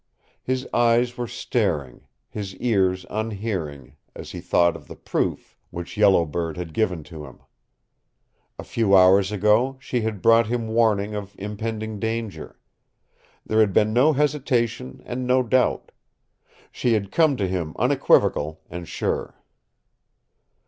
His eyes were staring, his ears unhearing, as he thought of the proof which Yellow Bird had given to him. A few hours ago she had brought him warning of impending danger. There had been no hesitation and no doubt. She had come to him unequivocal and sure.